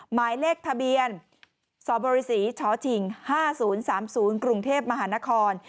หมายเลขทะเบียนสบศช๕๐๓๐กรุงเทพมหานคร